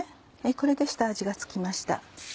これで下味が付きました。